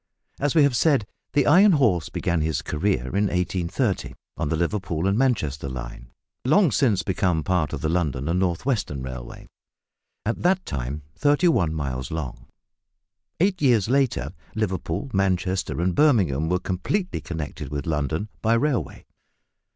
As we have said, the iron horse began his career in 1830 on the Liverpool and Manchester line long since become part of the London and North Western Railway at that time thirty one miles long. Eight years later, Liverpool, Manchester, and Birmingham were completely connected with London by railway.